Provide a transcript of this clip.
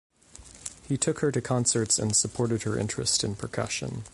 He took her to concerts and supported her interest in percussion.